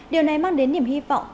điều này mang đến niềm hy vọng